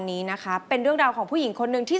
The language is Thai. สามารถรับชมได้ทุกวัย